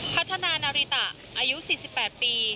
พัฒนานาริตะอายุ๔๘ปี